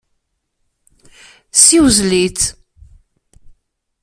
Siwzel-it.